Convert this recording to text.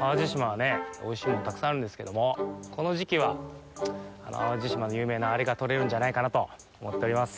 淡路島はおいしいものがたくさんあるんですけども、この時期は淡路島の有名な“アレ”がとれるんじゃないかなと思っております。